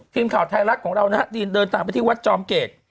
ทีมข่าวไทยรัฐของเรานะฮะเดินทางไปที่วัดจอมเกต